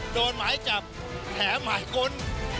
หมายจับแถมหมายค้น